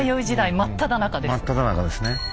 真っただ中ですね。